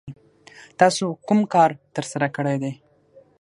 تاسو کوم کار ترسره کړی دی؟